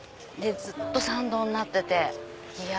ずっと参道になってて。